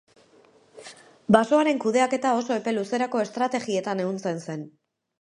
Basoaren kudeaketa oso epe luzerako estrategietan ehuntzen zen.